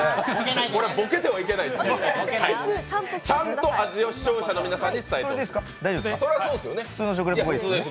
ボケてはいけない、ちゃんと味を視聴者の皆さんに伝えてもらう。